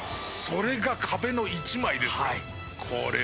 それが壁の一枚です。